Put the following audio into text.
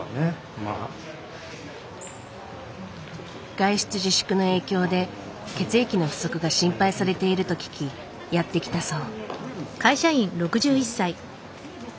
外出自粛の影響で血液の不足が心配されていると聞きやって来たそう。